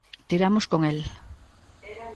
Tiramos con el.